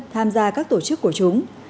tham gia các tổ chức của chúng